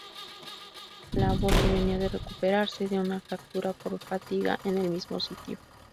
Laborde venía de recuperarse de una fractura por fatiga en el mismo sitio.